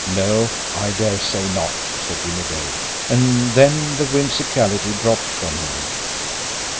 "No; I dare say not," said Jimmie Dale and then the whimsicality dropped from him.